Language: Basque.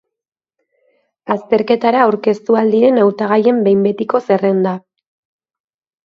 Azterketara aurkeztu ahal diren hautagaien behin-betiko zerrenda.